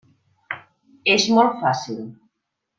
És molt fàcil.